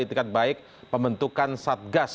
itikat baik pembentukan satgas